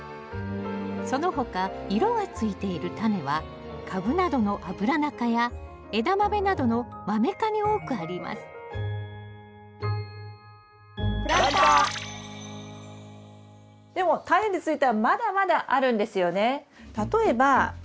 その他色がついているタネはカブなどのアブラナ科やエダマメなどのマメ科に多くありますでもタネについてはまだまだあるんですよね。